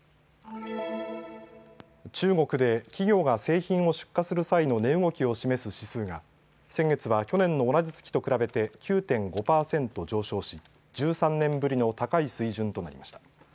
中国で企業が製品を出荷する際の値動きを示す指数が先月は去年の同じ月と比べて９．５％上昇し、１３年ぶりの高い水準となりました。